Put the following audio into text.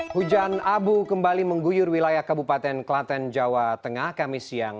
hujan abu kembali mengguyur wilayah kabupaten klaten jawa tengah kami siang